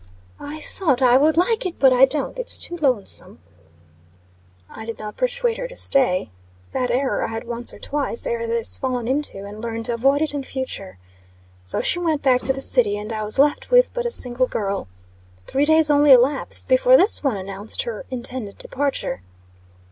"I thought I would like it, but I don't. It's too lonesome." I did not persuade her to stay. That error I had once or twice, ere this, fallen into, and learned to avoid it in future. So she went back to the city, and I was left with but a single girl. Three days only elapsed before this one announced her intended departure.